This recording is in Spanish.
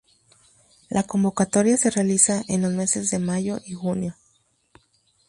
La convocatoria se realiza en los meses de mayo y junio.